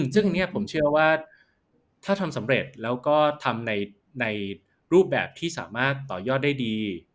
ซึ่งเนี่ยผมเชื่อว่าถ้าทำสำเร็จแล้วก็ทำในรูปแบบที่สามารถต่อยอดได้ดี